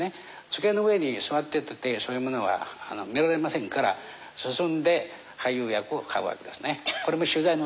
机の上に座ってたってそういうものは見られませんから進んで俳優役を買うわけですね。